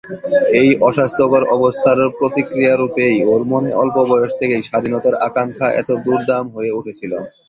এই অস্বাস্থ্যকর অবস্থার প্রতিক্রিয়ারূপেই ওর মনে অল্পবয়স থেকেই স্বাধীনতার আকাঙক্ষা এত দুর্দাম হয়ে উঠেছিল।